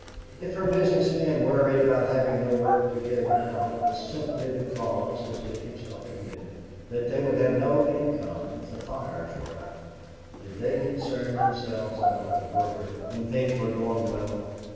If her business men worried about having no work to give now it was simply because, as Dick himself admitted, that they would have no income if the fires were out. Did they concern themselves about the worker when things were going well?